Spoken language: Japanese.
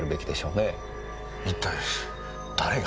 一体誰が？